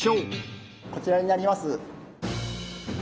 こちらになります。